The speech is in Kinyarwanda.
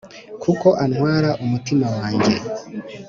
kuko antwara umutima wanjye